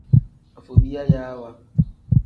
Afobiyayaawa.